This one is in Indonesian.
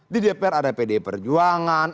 di dpr ada pdi perjuangan